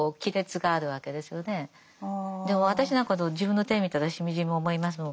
私なんかでも自分の手見たらしみじみ思いますもん。